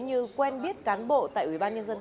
như quen biết cán bộ tại ubnd